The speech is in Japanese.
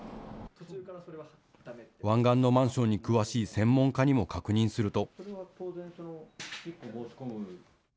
湾岸のマンションに詳しい専門家にも確認すると。